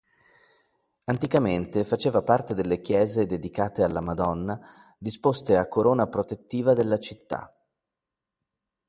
Anticamente faceva parte delle chiese dedicate alla Madonna disposte a corona protettiva della città.